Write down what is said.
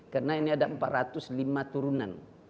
karena ini ada empat ratus lima turunan